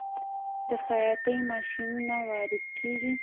د خیاطۍ ماشینونه وارد کیږي؟